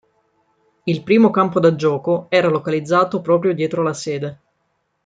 Il primo campo da gioco era localizzato proprio dietro la sede.